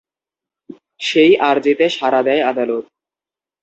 সেই আর্জিতে সাড়া দেয় আদালত।